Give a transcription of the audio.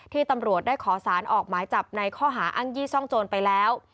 ตำรวจได้ขอสารออกหมายจับในข้อหาอ้างยี่ซ่องโจรไปแล้ว